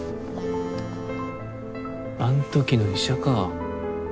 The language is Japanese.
あん時の医者か。